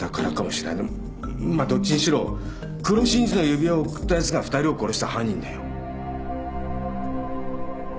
まあどっちにしろ黒真珠の指輪を送ったやつが２人を殺した犯人だよ。